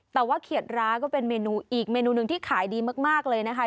แต่ว่าเขียดร้าก็เป็นเมนูอีกเมนูหนึ่งที่ขายดีมากเลยนะคะ